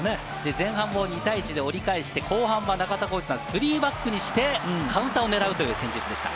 前半２対１で折り返して、後半は３バックにしてカウンターを狙うという戦術でした。